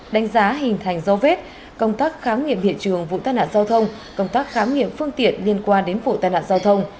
đánh giá hình thành dấu vết công tác khám nghiệm hiện trường vụ tai nạn giao thông công tác khám nghiệm phương tiện liên quan đến vụ tai nạn giao thông